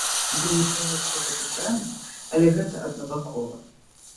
Я не кажу, што гэта дрэнна, але гэта аднабакова.